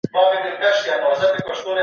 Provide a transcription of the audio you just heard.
خاوند لدې څخه د استمتاع دائمي حق لري.